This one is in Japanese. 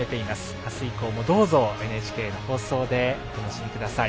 あす以降も、どうぞＮＨＫの放送でお楽しみください。